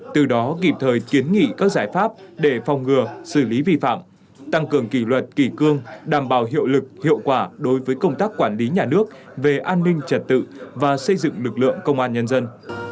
từ đó kịp thời kiến nghị các giải pháp để phòng ngừa xử lý vi phạm tăng cường kỷ luật kỷ cương đảm bảo hiệu lực hiệu quả đối với công tác quản lý nhà nước về an ninh trật tự và xây dựng lực lượng công an nhân dân